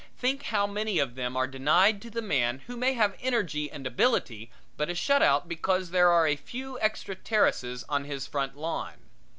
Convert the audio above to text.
Think how many of them are denied to the man who may have energy and ability but is shut out because there are a few extra terraces on his front lawn.